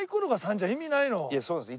いやそうなんです。